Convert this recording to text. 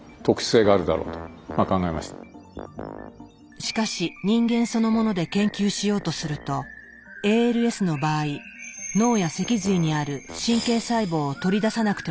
しかし人間そのもので研究しようとするとＡＬＳの場合脳や脊髄にある神経細胞を取り出さなくてはならない。